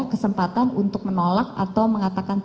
kesempatan untuk menolak atau mengatakan tidak ada